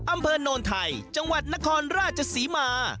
อำเภอโนนไทยจังหวัดนครราชศรีมา